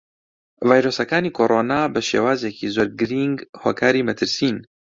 ڤایرۆسەکانی کۆڕۆنا بەشێوازێکی زۆر گرینگ هۆکاری مەترسین.